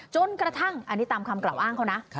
จนกระทั่งอันนี้ตามคำกล่าวอ้างเขานะ